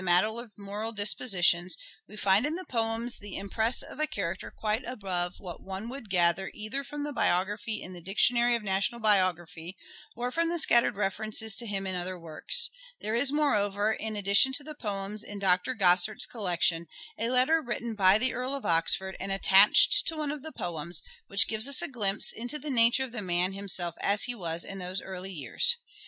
his writings, of moral dispositions, we find in the poems the impress of a character quite above what one would gather either from the biography in the Dictionary of National Biography, or from the scattered references to him in other works. There is, moreover, in addition to the poems in Dr. Grosart's collection, a letter written by the Earl of Oxford and attached to one of the poems, which gives us a glimpse into the nature of the man himself as he was in these early years.